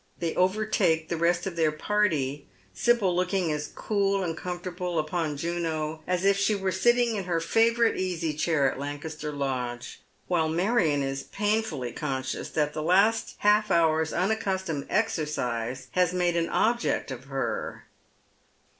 They overtake the rest of their party, Sibyl looking as cool and com fortable upon Juno as if she were sitting in her favourite easy chair at Lancaster Lodge, while Marion is painfully conscious tliat the last half hour's unaccustomed exercise has made an object of her.